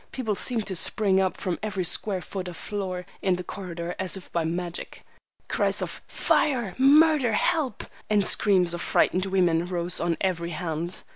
People seemed to spring up from every square foot of floor in the corridor as if by magic. Cries of "Fire!" "Murder!" "Help!" and screams of frightened women, rose on every hand.